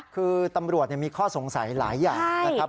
คือตำรวจมีข้อสงสัยหลายอย่างนะครับ